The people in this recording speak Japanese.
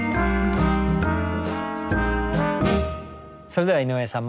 それでは井上さん